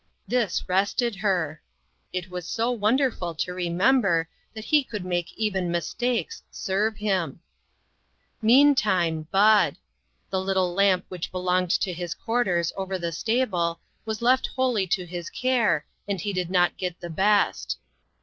This 1 rested her. It was so wonderful to remem SPREADING NETS. 269 her that He could make even mistakes serve him ! Meantime, Bud ! The little lamp which belonged to his quarters over the stable, was left wholly to his care, and he did not get the best.